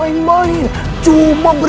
kau tidak dilihat